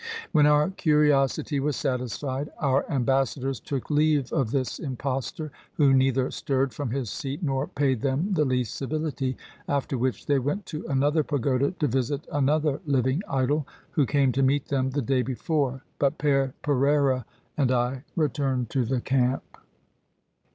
When our curiosity was satisfied, our ambassadors took leave of this impostor, who neither stirred from his seat nor paid them the least civility, after which they went to another pagoda to visit another living idol, who came to meet them the day before; but Pere Pereira and I returned to the camp.